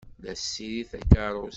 La tessirid takeṛṛust.